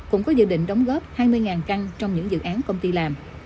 cũng có dự định đóng góp hai mươi căn trong những dự án công ty làm